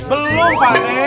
belum pak de